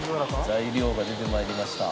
材料が出て参りました。